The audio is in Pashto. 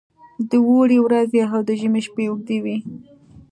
د اوړي ورځې او د ژمي شپې اوږې وي.